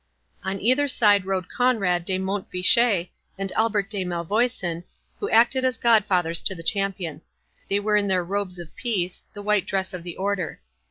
On either side rode Conrade of Mont Fitchet, and Albert de Malvoisin, who acted as godfathers to the champion. They were in their robes of peace, the white dress of the Order.